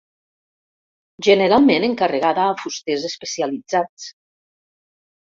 Generalment encarregada a fusters especialitzats.